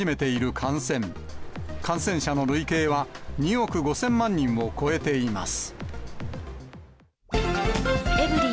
感染者の累計は、２億５０００万人を超えています。